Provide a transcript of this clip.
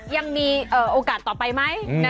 ยังมีโอกาสต่อไปไหม